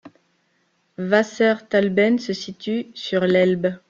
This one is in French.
Wasserthaleben se situe sur l'Helbe.